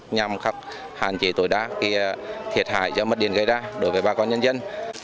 nhằm khắc hạn chế tối đá thiệt hại do mất điện gây ra đối với bà con nhân dân